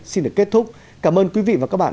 xin được kết thúc cảm ơn quý vị và các bạn